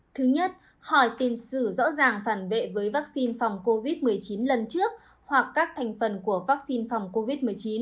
thứ nhất hỏi tiền sử rõ ràng phản bệ với vaccine phòng covid một mươi chín lần trước hoặc các thành phần của vaccine phòng covid một mươi chín